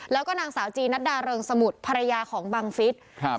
แล้วก็นางสาวจีนัดดาเริงสมุทรภรรยาของบังฟิศครับ